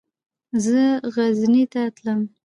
زه غزني ته تلم.